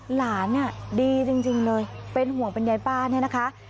หลานน่ะดีจริงเลยเป็นห่วงบรรยายป้านี่นะคะ